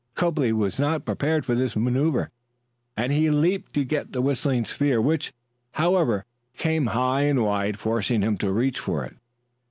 Copley was not prepared for this manoeuvre, and he leaped to get the whistling sphere, which, however, came high and wide, forcing him to reach for it.